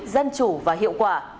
dân chủ và hiệu quả